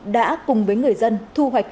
đã cùng với người dân thu hoạch